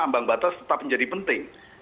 ambang batas tetap menjadi penting